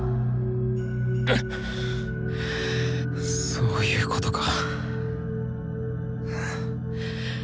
そういうことか。